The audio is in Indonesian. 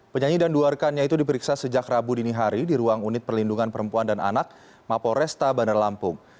penyanyi dan dua rekannya itu diperiksa sejak rabu dini hari di ruang unit perlindungan perempuan dan anak mapo resta bandar lampung